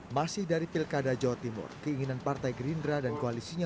masih dari pilkada jawa timur keinginan partai gerindra dan koalisinya